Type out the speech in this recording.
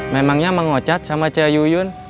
memangnya mau ngocat sama ce yuyun